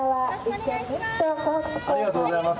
ありがとうございます。